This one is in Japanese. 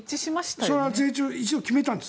それは一度決めたんです。